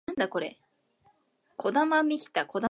児玉幹太児玉幹太